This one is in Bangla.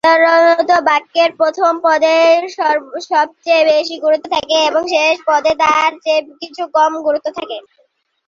সাধারণত বাক্যের প্রথম পদে সবচেয়ে বেশি গুরুত্ব থাকে, এবং শেষ পদে তার চেয়ে কিছু কম গুরুত্ব থাকে।